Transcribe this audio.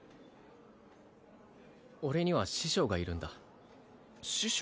俺には師匠がいるんだ師匠？